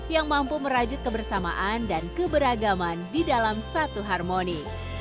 yang mampu merajut kebersamaan dan keberagaman di dalam satu harmoni